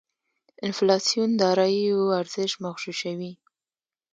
انفلاسیون داراییو ارزش مغشوشوي.